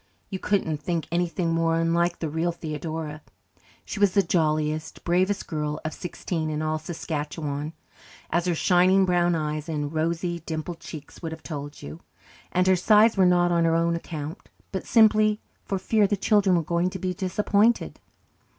You couldn't think anything more unlike the real Theodora. She was the jolliest, bravest girl of sixteen in all Saskatchewan, as her shining brown eyes and rosy, dimpled cheeks would have told you; and her sighs were not on her own account, but simply for fear the children were going to be disappointed.